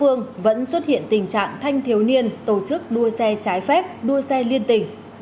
thủ tướng chính phủ đã xuất hiện tình trạng thanh thiếu niên tổ chức đua xe trái phép đua xe liên tình